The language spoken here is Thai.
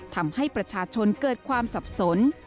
ทำให้ประชาชนเกิดความสับสน